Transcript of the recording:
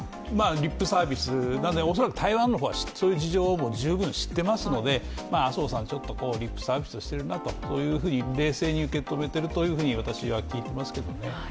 リップサービス、恐らく台湾の方はそういう事情を十分知っていますので、麻生さんはちょっとリップサービスしているなと、冷静に受け止めていると私は聞いていますけどね。